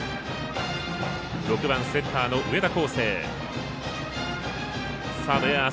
６番、センターの上田耕晟。